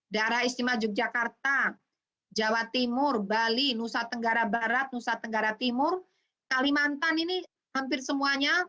daerah istimewa yogyakarta jawa timur bali nusa tenggara barat nusa tenggara timur kalimantan ini hampir semuanya